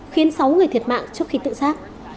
khiến sáu người thiệt mạng trước khi tự sát